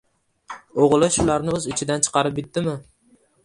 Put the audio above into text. O‘g‘li shularni o‘z ichidan chiqarib bitdimi